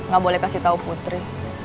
gak boleh kasih tahu putri